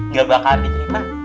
ga bakal diterima